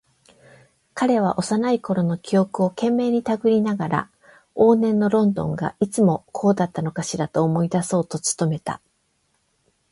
彼は幼いころの記憶を懸命にたぐりながら、往年のロンドンがいつもこうだったのかしらと思い出そうと努めた。